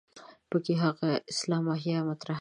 په کې د هغه اسلام احیا مطرح ده.